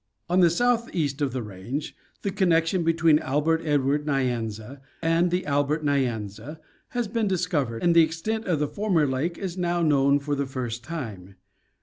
"On the southeast of the range the connection between Albert Edward Nyanza and the Albert Nyanza has been discovered, and the extent of the former lake is now known for the first time.